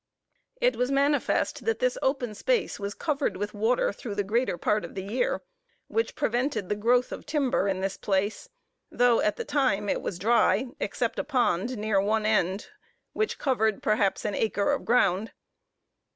It was manifest that this open space was covered with water through the greater part of the year, which prevented the growth of timber in this place; though at the time it was dry, except a pond near one end, which covered, perhaps, an acre of ground.